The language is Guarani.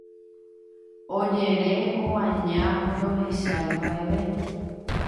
Ojere, omaña ha ndohechái mba'eve.